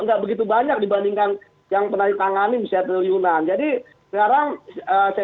nggak begitu banyak dibandingkan yang pernah ditangani misalnya triliunan jadi sekarang saya